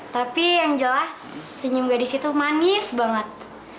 tapi yang jelas senyum gadis itu manis banget